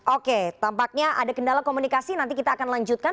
oke tampaknya ada kendala komunikasi nanti kita akan lanjutkan